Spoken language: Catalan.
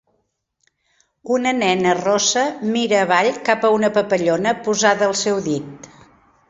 Una nena rossa mira avall cap a una papallona posada al seu dit.